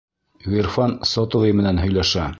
Ғирфан сотовый менән һөйләшә.